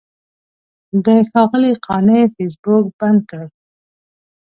د ښاغلي قانع فیسبوک بند کړی.